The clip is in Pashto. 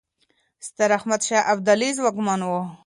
ستراحمدشاه ابدالي ځواکمن و.